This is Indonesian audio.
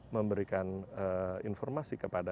memberikan informasi kepada